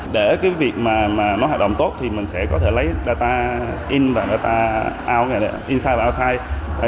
để cái việc mà nó hoạt động tốt thì mình sẽ có thể lấy data in và data out inside và outside